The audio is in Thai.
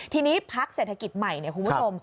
ทีนี้พักเศรษฐกิจใหม่เนี่ยคุณผู้ชม